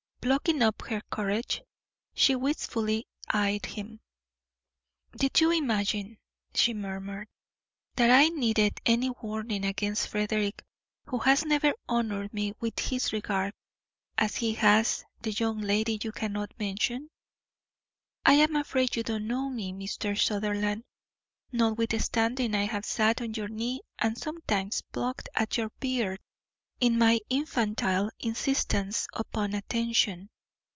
Plucking up her courage, she wistfully eyed him. "Did you imagine," she murmured, "that I needed any warning against Frederick, who has never honoured me with his regard, as he has the young lady you cannot mention? I'm afraid you don't know me, Mr. Sutherland, notwithstanding I have sat on your knee and sometimes plucked at your beard in my infantile insistence upon attention."